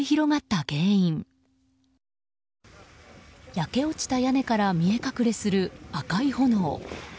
焼け落ちた屋根から見え隠れする赤い炎。